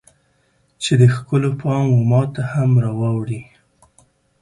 چې د ښکلو پام و ماته هم راواوړي